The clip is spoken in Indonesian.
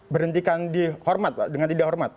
berhentikan dihormat pak dengan tidak hormat